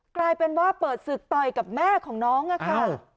กลายเป็นว่าเปิดศึกต่อยกับแม่ของน้องอะค่ะ